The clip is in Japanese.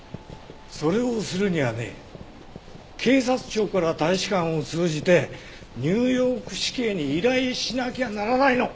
それをするにはね警察庁から大使館を通じてニューヨーク市警に依頼しなきゃならないの！